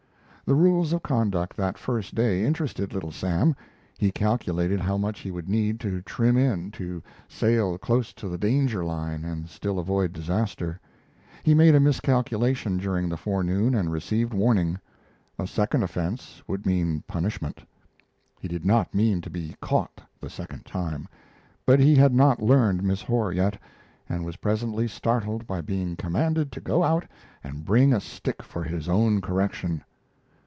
The rules of conduct that first day interested Little Sam. He calculated how much he would need to trim in, to sail close to the danger line and still avoid disaster. He made a miscalculation during the forenoon and received warning; a second offense would mean punishment. He did not mean to be caught the second time, but he had not learned Miss Horr yet, and was presently startled by being commanded to go out and bring a stick for his own correction.